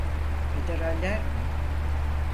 Federaller mi?